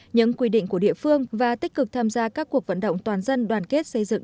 những quy định của địa phương và tích cực tham gia các cuộc vận động toàn dân đoàn kết xây dựng